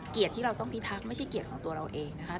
ที่เราต้องพิทักษ์ไม่ใช่เกียรติของตัวเราเองนะคะ